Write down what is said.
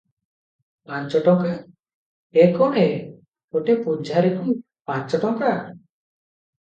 ପାଞ୍ଚ ଟଙ୍କା! ଏ କ'ଣ ଏ! ଗୋଟାଏ ପଝାରିକୁ ପାଞ୍ଚ ଟଙ୍କା?